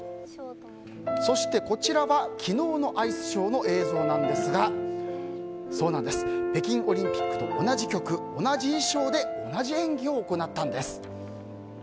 そしてこちらが昨日のアイスショーの映像なのですが北京オリンピックと同じ曲同じ衣装で同じ演技を行ったんです。